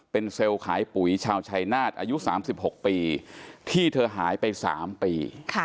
เป็นเซลล์ขายปุ๋ยชาวชัยนาศอายุ๓๖ปีที่เธอหายไป๓ปี